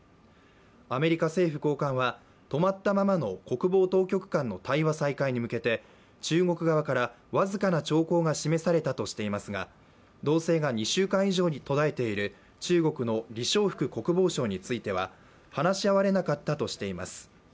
アメリカ政府高官は止まったままの国防当局間の対話再開に向けて、中国側から僅かな兆候が示されたとしていますが、動静が２週間以上途絶えている中国の李尚福国防相については話し合われなかったとしています。